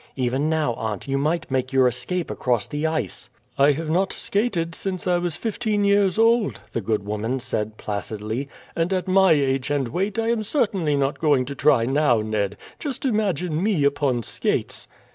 Even now, aunt, you might make your escape across the ice." "I have not skated since I was fifteen years old," the good woman said placidly; "and at my age and weight I am certainly not going to try now, Ned. Just imagine me upon skates!"